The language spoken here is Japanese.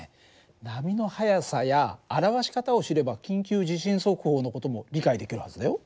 波の速さや表し方を知れば緊急地震速報の事も理解できるはずだよ。